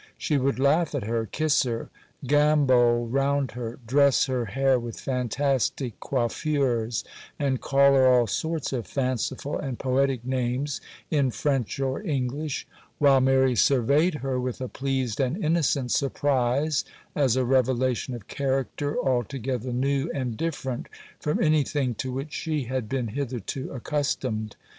She would laugh at her, kiss her, gambol round her, dress her hair with fantastic coiffures, and call her all sorts of fanciful and poetic names in French or English, while Mary surveyed her with a pleased and innocent surprise, as a revelation of character altogether new and different from anything to which she had been hitherto accustomed.